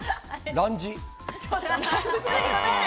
ランジ。